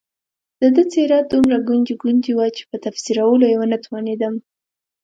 د ده څېره دومره ګونجي ګونجي وه چې په تفسیرولو یې ونه توانېدم.